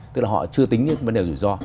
tức là họ chưa tính đến vấn đề rủi ro